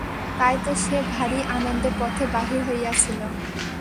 তাই সে ভারি আনন্দে পথে বাহির হইয়াছিল।